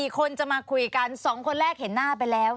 ๔คนจะมาคุยกัน๒คนแรกเห็นหน้าไปแล้ว